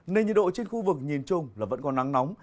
nên nhiệt độ trên khu vực nhìn chung là vẫn có nắng nóng